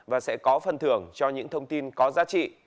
và sẽ có phần thưởng cho những thông tin có giá trị